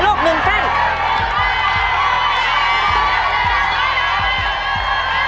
หรอกหนึ่งเส้น